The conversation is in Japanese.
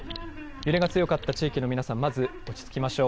揺れが強かった地域の皆さん、まず落ち着きましょう。